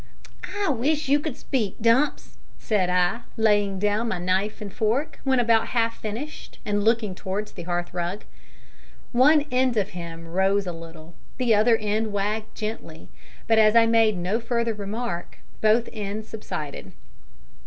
"I wish you could speak, Dumps," said I, laying down my knife and fork, when about half finished, and looking towards the hearth rug. One end of him rose a little, the other end wagged gently, but as I made no further remark, both ends subsided.